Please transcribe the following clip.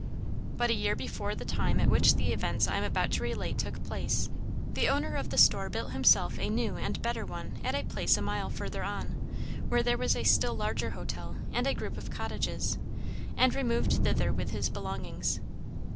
But a year before the time at which the events I am about to relate took place, the owner of the store built himself a new and better one at a place a mile further on, where there was a still larger hotel and a group of cottages, and removed thither with his belongings.